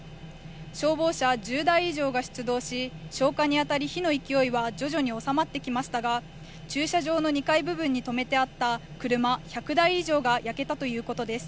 消防車１０台以上が出動し、消火に当たり、火の勢いは徐々に収まってきましたが、駐車場の２階部分に止めてあった車１００台以上が焼けたということです。